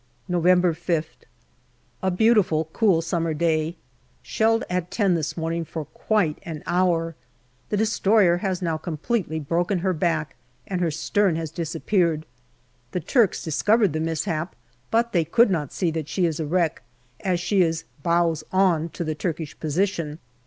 November 5th. A beautiful, cool summer day. Shelled at ten this morning for quite an hour. The destroyer has now com pletely broken her back, and her stern has disappeared. The Turks discovered the mishap, but they could not see that she is a wreck, as she is " bows on " to the Turkish position.